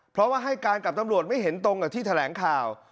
เพราะว่าให้การกับตำรวจไม่เห็นตรงกับที่แถลงข่าว